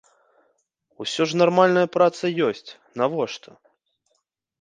Усё ж нармальная праца ёсць, навошта.